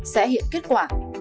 sẽ hiện kết quả